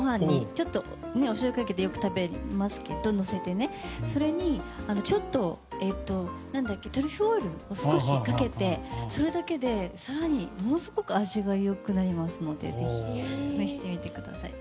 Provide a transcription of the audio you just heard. ちょっとおしょうゆをかけてよく食べますけどそれにちょっとトリュフオイルを少しかけてそれだけで更に、ものすごく味わいがよくなりますのでぜひ試してみてください。